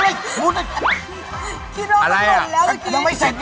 อาจจะหลวงไปแล้วจริงคิณล้อใจไหม